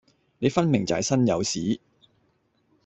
你分明就係身有屎